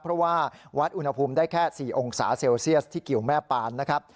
เพราะว่าวัดอุณหภูมิได้แค่๔องศาเซลเซียสที่กิวแม่ปานนะครับ